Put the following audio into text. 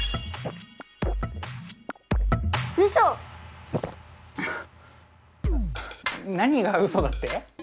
うそ⁉何がうそだって？